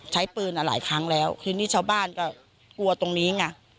ใช้ปืนหลายครั้งแล้วทีนี้ชาวบ้านก็กลัวตรงนี้ไง